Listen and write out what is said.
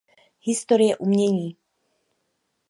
Historie umění.